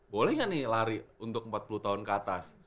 boleh nggak nih lari untuk empat puluh tahun ke atas